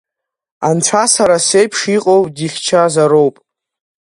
Анцәа сара сеиԥш иҟоу дихьчозароуп.